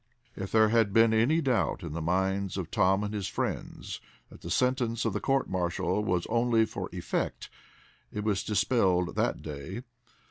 If there had been any doubt in the minds of Tom and his friends that the sentence of the court martial was only for effect, it was dispelled that day.